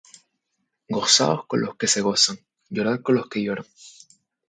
Gozaos con los que se gozan: llorad con los que lloran.